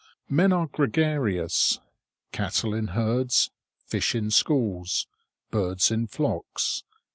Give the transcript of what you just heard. Men are gregarious. Cattle in herds. Fish in schools. Birds in flocks.